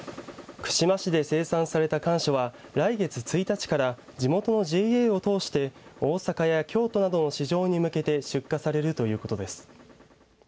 串間市で生産されたかんしょは来月１日から地元のＪＡを通して大阪や京都などの市場に向けて出荷されるということです。